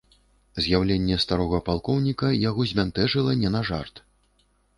З'яўленне старога палкоўніка яго збянтэжыла не на жарт.